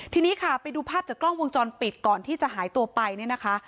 ทีนี้ค่ะไปดูภาพจากกล้องวงจรปิดก่อนที่จะหายตัวไปเนี่ยนะคะ